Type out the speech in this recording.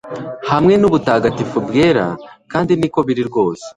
hamwe nubutagatifu bwera kandi niko biri rwose